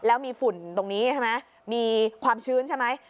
แล้วมีฝุ่นตรงนี้ใช่ไหมมีความชื้นใช่ไหม